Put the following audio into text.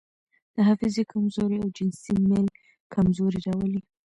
د حافظې کمزوري او جنسي میل کمزوري راولي.